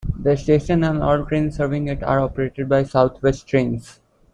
The station and all trains serving it are operated by South West Trains.